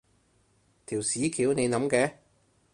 條屎橋你諗嘅？